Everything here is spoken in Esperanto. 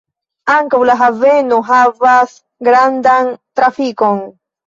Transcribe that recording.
Ankaŭ la haveno havas grandan trafikon.